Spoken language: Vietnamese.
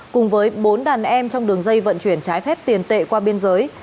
cùng với bốn đàn em trong đường dây vận chuyển trái phép tiền tệ qua biên giới